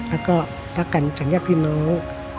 แล้วก็รักกันสัญญาพี่น้อง